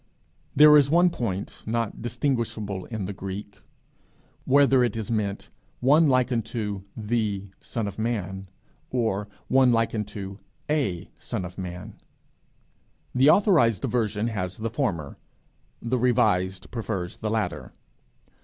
There is one point not distinguishable in the Greek: whether is meant, 'one like unto the Son of Man,' or, 'one like unto a son of Man:' the authorized version has the former, the revised prefers the latter.